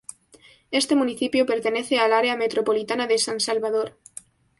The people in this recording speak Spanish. Este municipio pertenece al Área Metropolitana de San Salvador.